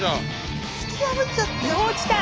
突き破っちゃった。